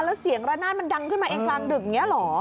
แล้วเสียงระนาดมันดังขึ้นมาเองกลางดึกอย่างนี้เหรอ